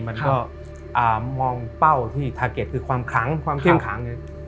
มองเป้าที่ความเข้มขัง